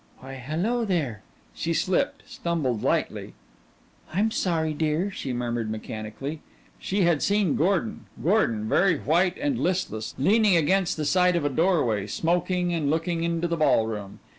"Why hello there " She slipped, stumbled lightly. "I'm sorry, dear," she murmured mechanically. She had seen Gordon Gordon very white and listless, leaning against the side of a doorway, smoking, and looking into the ballroom.